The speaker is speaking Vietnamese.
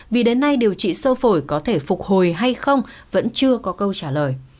vì đến nay điều trị sâu phổi có thể phục hồi hay không vẫn chưa có câu trả lời